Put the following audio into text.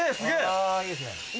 あぁいいですね。